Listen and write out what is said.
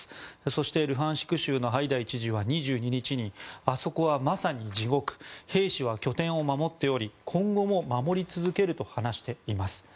そして、ルハンシク州のハイダイ知事は２２日にあそこはまさに地獄兵士は拠点を守っており今後も守り続けると話しています。